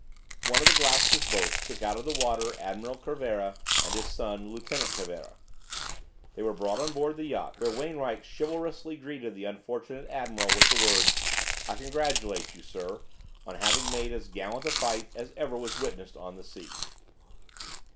One of the "Gloucester's" boats took out of the water Admiral Cervera and his son, Lieutenant Cervera. They were brought on board the yacht, where Wainwright chivalrously greeted the unfortunate admiral with the words: "I congratulate you, sir, on having made as gallant a fight as was ever witnessed on the sea."